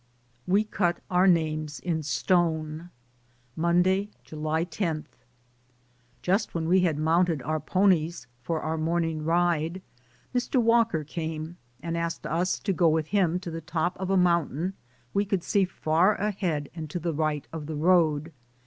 WE CUT OUR NAMES IN STONE. Monday, July 10. Just when we had mounted our ponies for our morning ride, Mr. Walker came and 140 DAYS ON THE ROAD. asked us to go with him to the top pi a mountain we could see far ahead and to the right of the road.